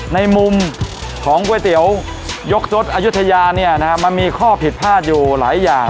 ในมุมของควยเตี๋ยูยกสดอยุธยามามีข้อผิดพลาดอยู่หลายอย่าง